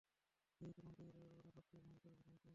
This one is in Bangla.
হেই, তোমাদের লড়া সবচেয়ে - ভয়ঙ্কর ভিলেন কোনটা?